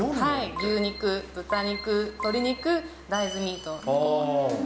牛肉、豚肉、鶏肉、大豆ミートって。